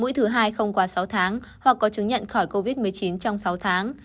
mũi thứ hai không quá sáu tháng hoặc có chứng nhận khỏi covid một mươi chín trong sáu tháng